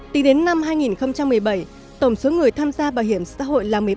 tính đến năm hai nghìn một mươi bảy tổng số người tham gia bảo hiểm xã hội là một mươi ba